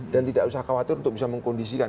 dan tidak usah khawatir untuk bisa mengkondisikan